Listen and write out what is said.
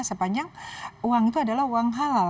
sepanjang uang itu adalah uang halal